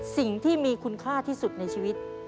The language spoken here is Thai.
สิ่งที่มีคุณค่าที่สุดในชีวิต